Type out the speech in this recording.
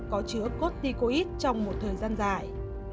có chứa corticoid trong một thời gian dài